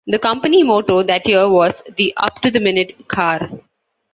The company motto that year was The Up-To-The-Minute Car.